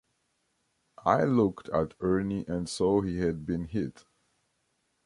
I looked at Ernie and saw he had been hit.